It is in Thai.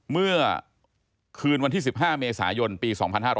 เมื่อคืนวันที่๑๕เมษายนปี๒๕๕๙